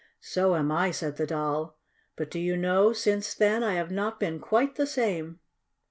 "So am I," said the Doll. "But do you know, since then, I have not been quite the same."